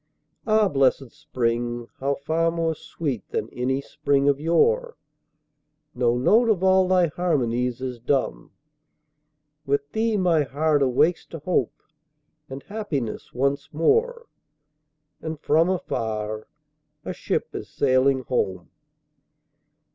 Ah, blessed spring!—how far more sweet than any spring of yore! No note of all thy harmonies is dumb; With thee my heart awakes to hope and happiness once more, And from afar a ship is sailing home!